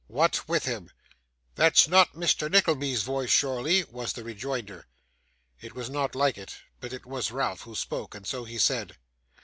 'What with him?' 'That's not Mr. Nickleby's voice, surely?' was the rejoinder. It was not like it; but it was Ralph who spoke, and so he said.